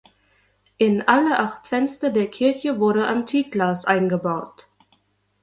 In alle acht Fenster der Kirche wurde Antikglas eingebaut.